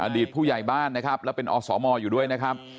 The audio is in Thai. ผู้ใหญ่บ้านนะครับแล้วเป็นอสมอยู่ด้วยนะครับ